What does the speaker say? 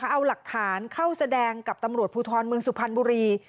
เอาหลักฐานเข้าแสดงกับตำรวจภูทรเมืองสุพรรณบุรี